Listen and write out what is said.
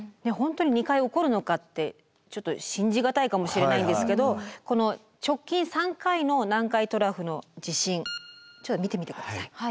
本当に２回起こるのかってちょっと信じがたいかもしれないんですけどこの直近３回の南海トラフの地震ちょっと見てみて下さい。